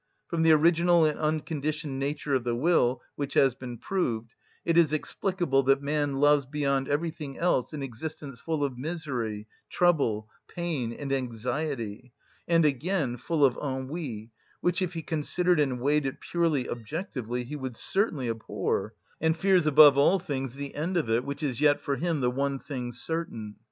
From the original and unconditioned nature of the will, which has been proved, it is explicable that man loves beyond everything else an existence full of misery, trouble, pain, and anxiety, and, again, full of ennui, which, if he considered and weighed it purely objectively, he would certainly abhor, and fears above all things the end of it, which is yet for him the one thing certain.